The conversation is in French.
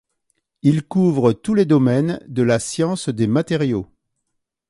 Il couvre tous les domaines de la science des matériaux.